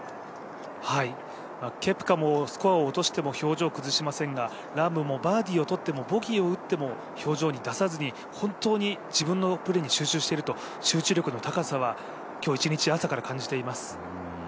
ケプカもスコアを落としても表情を変えませんが、ラームも、バーディーを取っても、ボギーを打っても表情に出さずに、本当に自分のプレーに集中していると、集中力の高さは今日一日朝から感じています。